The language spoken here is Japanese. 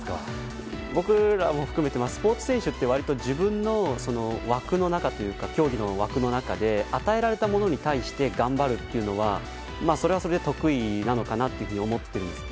僕らも含めてスポーツ選手って割と自分の枠の中というか、競技の枠の中で与えられたものに対して頑張るというのはそれはそれで得意なのかなと思っているんです。